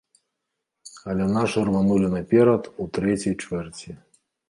Але нашы рванулі наперад у трэцяй чвэрці.